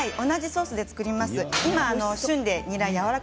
同じソースで作ります。